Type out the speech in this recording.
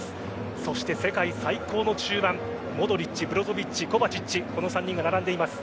そして世界最高の中盤モドリッチ、ブロゾヴィッチコヴァチッチこの３人が並んでいます。